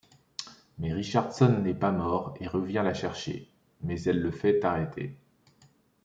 Mais Richardson n'est pas mort et revient la chercher mais elle le fait arrêter.